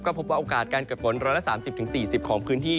พบว่าโอกาสการเกิดฝน๑๓๐๔๐ของพื้นที่